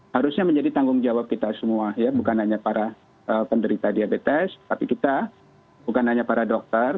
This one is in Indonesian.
dan ini harusnya menjadi tanggung jawab kita semua bukan hanya para penderita diabetes tapi kita bukan hanya para dokter